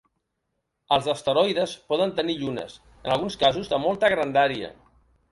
Els asteroides poden tenir llunes, en alguns casos de molta grandària.